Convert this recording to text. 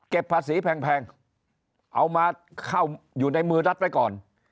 ภาษีแพงเอามาเข้าอยู่ในมือรัฐไว้ก่อน